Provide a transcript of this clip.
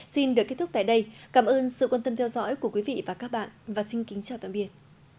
xin được kết thúc tại đây cảm ơn sự quan tâm theo dõi của quý vị và các bạn và xin kính chào tạm biệt